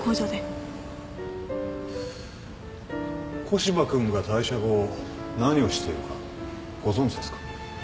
古芝君が退社後何をしているかご存じですか？